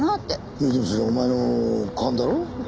いやでもそれはお前の勘だろ？